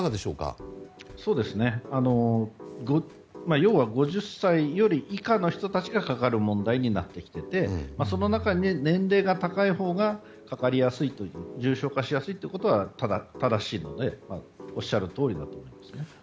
要は、５０歳より以下の人たちがかかる問題になってきていてその中で年齢が高いほうがかかりやすい重症化しやすいということが正しいのでおっしゃるとおりだと思います。